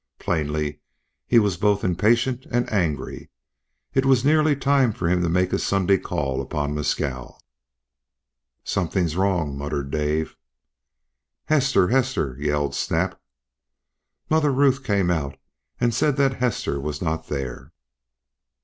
Plainly he was both impatient and angry. It was nearly time for him to make his Sunday call upon Mescal. "Something's wrong," muttered Dave. "Hester! Hester!" yelled Snap. Mother Ruth came out and said that Hester was not there.